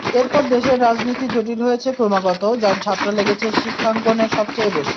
এরপর দেশের রাজনীতি জটিল হয়েছে ক্রমাগত, যার ঝাপটা লেগেছে শিক্ষাঙ্গনে সবচেয়ে বেশি।